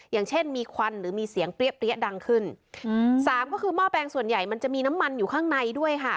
อย่างเช่นมีควันหรือมีเสียงเปรี้ยเปรี้ยดังขึ้นอืมสามก็คือหม้อแปลงส่วนใหญ่มันจะมีน้ำมันอยู่ข้างในด้วยค่ะ